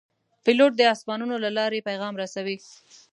پیلوټ د آسمانونو له لارې پیغام رسوي.